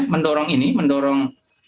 mendorong ini mendorong